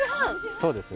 そうですね